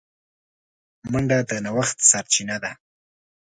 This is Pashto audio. منډه د نوښت سرچینه ده